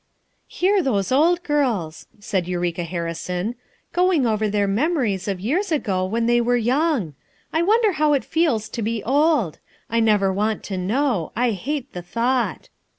"Hear those old girls!" said Eureka Harri son. "Going over their memories of years ago when they were young. I wonder how it feels to be old. I never want to know; I hate the thought."